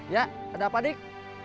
ya ada apa dik